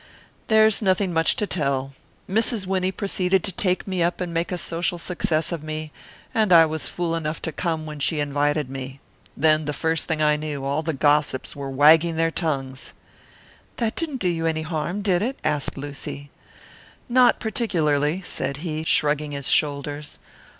"There is nothing much to tell. Mrs. Winnie proceeded to take me up and make a social success of me, and I was fool enough to come when she invited me. Then the first thing I knew, all the gossips were wagging their tongues." "That didn't do you any harm, did it?" asked Lucy. "Not particularly," said he, shrugging his shoulders.